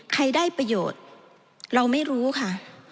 ใครได้ประโยชน์เราไม่รู้ค่ะ